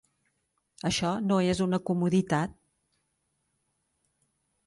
Això no és una comoditat!